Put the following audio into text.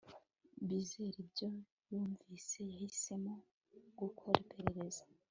bizere ibyo yumvise. yahisemo gukora iperereza